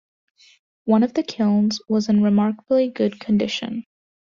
One of the kilns was in remarkably good condition.